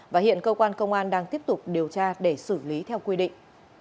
và hiện cơ quan công an đang tiếp tục điều tra để xử lý theo quy định